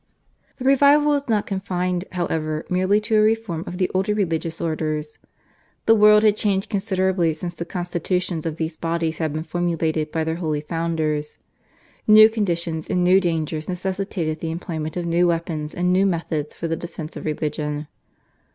The revival was not confined, however, merely to a reform of the older religious orders. The world had changed considerably since the constitutions of these bodies had been formulated by their holy founders. New conditions and new dangers necessitated the employment of new weapons and new methods for the defence of religion.